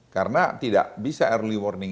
karena tidak bisa early warning